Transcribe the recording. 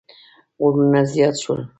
غږونه زیات شول.